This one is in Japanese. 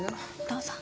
どうぞ。